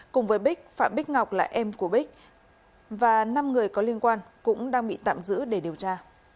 cùng với bích phạm bích ngọc là em của bích và năm người có liên quan cũng đang bị tạm giữ để điều tra